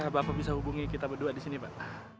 bapak bisa hubungi kita berdua di sini pak